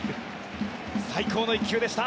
最高の１球でした。